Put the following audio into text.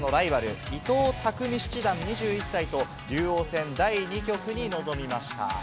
小学生時代からのライバル・伊藤匠七段２１歳と竜王戦第２局に臨みました。